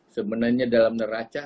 sebenarnya dalam neraca